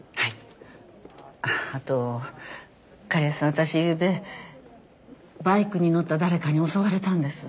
私ゆうべバイクに乗った誰かに襲われたんです。